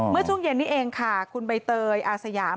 เมื่อช่วงเย็นนี้เองค่ะคุณใบเตยอาสยาม